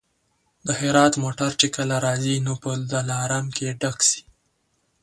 د هرات موټر چي کله راځي نو په دلارام کي ډک سي.